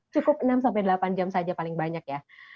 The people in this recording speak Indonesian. cukup enam sampai delapan jam saja paling banyak ya